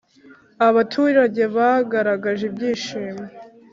abaturage bagaraje ibyishimo